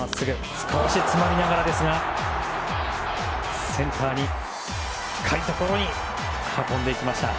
少し詰まりながらですがセンターに、深いところに運んでいきました。